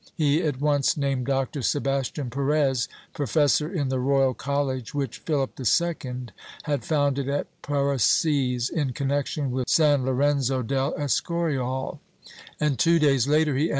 He at once named Dr. Sebastian Perez, professor in the royal college which Philip II had founded at Parraces, in connection with San Lorenzo del Escorial, and two days later he added other names.